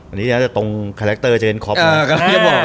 อันนี้เนี่ยตรงคาแรคเตอร์เจนคอป